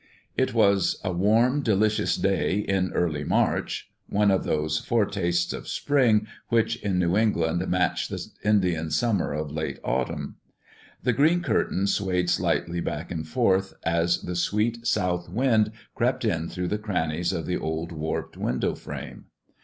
It was a warm, delicious day in early March, one of those foretastes of spring which in New England match the Indian summer of late autumn. The green curtain swayed slightly back and forth as the sweet south wind crept in through the crannies of the old, warped window frame.